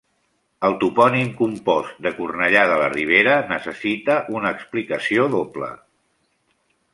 El topònim compost de Cornellà de la Ribera necessita una explicació doble.